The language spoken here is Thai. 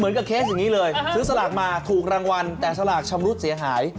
แน่นอนคือสลากมาถูกรางวัลแต่สลากชำรุดเสียหาย